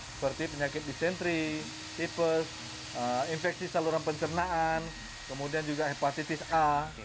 seperti penyakit disentri tipes infeksi saluran pencernaan kemudian juga hepatitis a